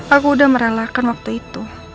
aku udah merelakan waktu itu